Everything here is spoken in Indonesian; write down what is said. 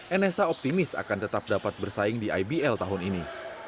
nsa optimis akan tetap dapat bersaing di ibl tahun ini